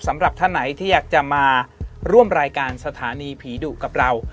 สำหรับท่านไหนที่อยากจะมาร่วมรายการสถานีผีดุกับเรา